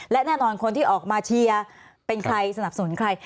และแน่นอนคนที่ออกมาเชียร์เป็นใครสนับสนุนใคร